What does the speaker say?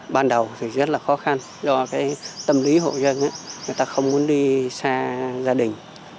ban đầu thì rất là khó khăn do cái tâm lý hộ dân người ta không muốn đi xa gia đình